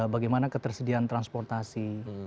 bagaimana ketersediaan transportasi